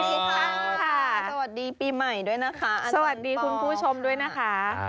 สวัสดีปีใหม่ด้วยนะคะสวัสดีคุณผู้ชมด้วยนะคะ